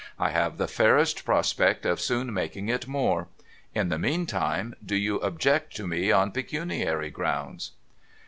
I have the fairest prospect of soon making it more. In the meantime, do you object to me on pecuniary grounds